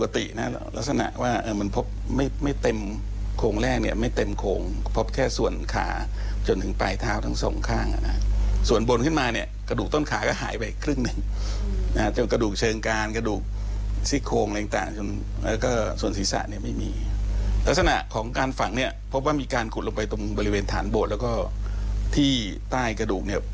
ตรงบริเวณฐานโบดแล้วก็ที่ใต้กระดูก